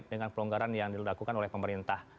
dengan pelonggaran yang dilakukan oleh pemerintah